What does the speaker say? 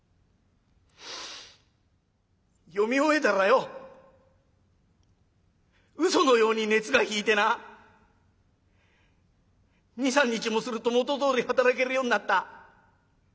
読み終えたらようそのように熱が引いてな２３日もすると元どおり働けるようになった。